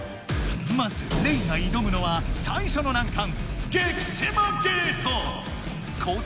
まずレイがいどむのは最初の難関コース